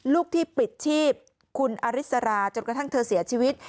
ลูกที่ปลิดชีพคุณอริสราจนกระทั่งเธอเสียชีวิต